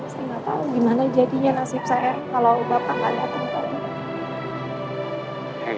saya gak tau gimana jadinya nasib saya kalau bapak gak datang ke sini